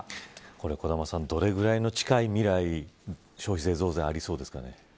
これは、どれぐらい近い未来に消費税増税がありそうですか。